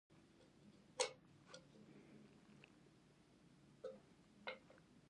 په دې وخت کې د دوی ګواښ تر پخوا پیاوړی و.